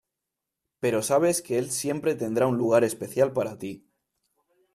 Pero sabes que él siempre tendrá un lugar de especial para ti .